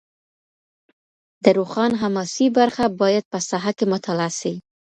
د روښان حماسي برخه باید په ساحه کي مطالعه سي.